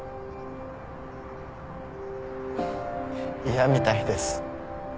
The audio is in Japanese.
嫌みたいです。